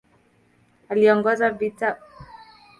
Aliongoza vita dhidi ya Wamasai na harakati dhidi ya wakoloni.